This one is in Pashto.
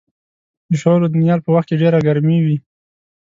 د شولو د نیال په وخت کې ډېره ګرمي وي.